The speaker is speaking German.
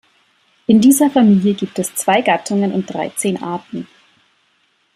In dieser Familie gibt es zwei Gattungen und dreizehn Arten.